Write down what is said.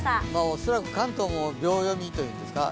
恐らく関東も秒読みというんですか。